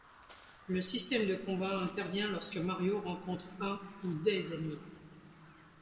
Le système de combats intervient lorsque Mario rencontre un, ou des ennemis.